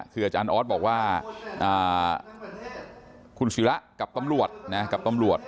คืออาจารย์ออสบอกว่าคุณศิระกับตำรวจนะฮะ